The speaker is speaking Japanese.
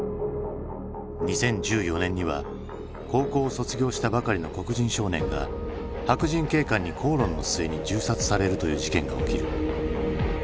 ２０１４年には高校を卒業したばかりの黒人少年が白人警官に口論の末に銃殺されるという事件が起きる。